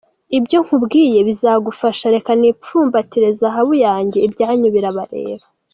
Ibyo nkubwiye bizagufasha reka nipfumbatire zahabu yanjye ibyanyu birabareba!.